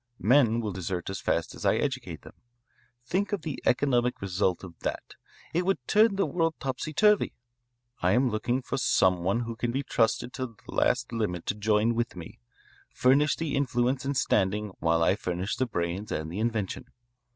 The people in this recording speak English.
Men will desert as fast as I educate them. Think of the economic result of that; it would turn the world topsy turvy. I am looking for some one who can be trusted to the last limit to join with me, furnish the influence and standing while I furnish the brains and the invention.